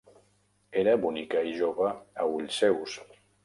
Era bonica i jove a ulls seus.